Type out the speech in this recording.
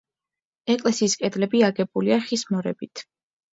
ეკლესიის კედლები აგებულია ხის მორებით.